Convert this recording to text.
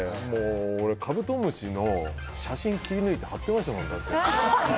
俺カブトムシの写真切り抜いて貼ってましたもん。